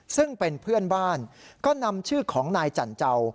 ซึ่งเป็นเพื่อนบ้านก็นำชื่อของนายจันเจ้า